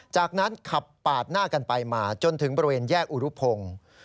จากนั้นขับปาดหน้ากันไปมาจนถึงบริเวณแยกอุรุพงศ์